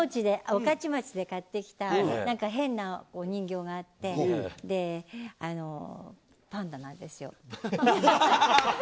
御徒町で買ってきた変なお人形があってパンダなんですよ。